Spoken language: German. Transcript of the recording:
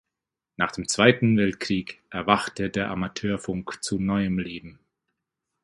Nach dem Zweiten Weltkrieg erwachte der Amateurfunk zu neuem Leben.